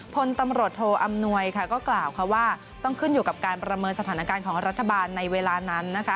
พลตำรวจโทอำนวยค่ะก็กล่าวค่ะว่าต้องขึ้นอยู่กับการประเมินสถานการณ์ของรัฐบาลในเวลานั้นนะคะ